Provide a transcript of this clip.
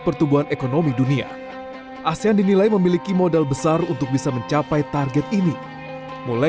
pertumbuhan ekonomi dunia asean dinilai memiliki modal besar untuk bisa mencapai target ini mulai